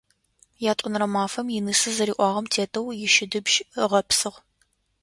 Ятӏонэрэ мафэм инысэ зэриӏуагъэм тетэу ищыдыбжь ыгъэпсыгъ.